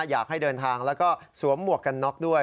อยากให้เดินทางแล้วก็สวมหมวกกันน็อกด้วย